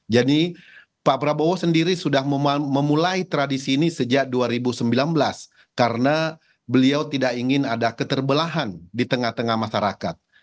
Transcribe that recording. jadi pak prabowo sendiri sudah memulai tradisi ini sejak dua ribu sembilan belas karena beliau tidak ingin ada keterbelahan di tengah tengah masyarakat